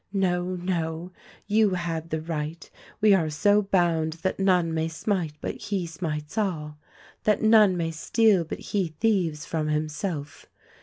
No, no ! You had the right ; we are so bound that none may smite but he smites all ; that none may steal but he thieves from himself.